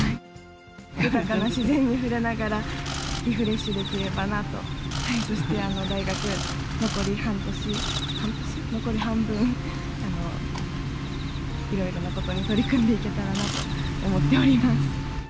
豊かな自然に触れながら、リフレッシュできればなと、そして大学も残り半年、残り半分、いろいろなことに取り組んでいけたらなと思っておりま